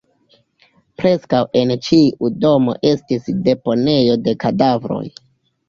Preskaŭ en ĉiu domo estis deponejo de kadavroj.